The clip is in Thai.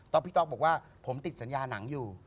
พี่ต๊อกบอกว่าผมติดสัญญาหนังอยู่